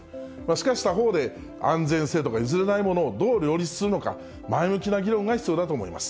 しかし、他方で安全性とか譲れないものをどう両立するのか、前向きな議論が必要だと思います。